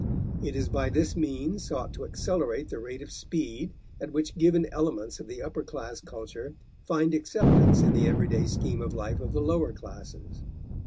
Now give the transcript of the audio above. It is by this means sought to accelerate the rate of speed at which given elements of the upper class culture find acceptance in the everyday scheme of life of the lower classes.